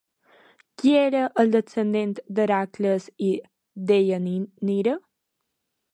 Qui era el descendent d'Hèracles i Deianira?